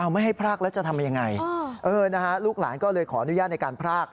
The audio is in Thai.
ไม่ให้พรากแล้วจะทำยังไงลูกหลานก็เลยขออนุญาตในการพราก